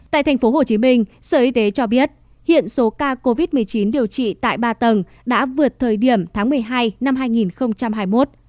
tại tp hcm sở y tế cho biết hiện số ca covid một mươi chín điều trị tại ba tầng đã vượt thời điểm tháng một mươi hai năm hai nghìn hai mươi một